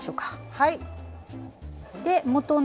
はい！